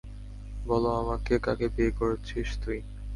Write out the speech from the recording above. বল আমাকে, কাকে বিয়ে করেছিস তুই?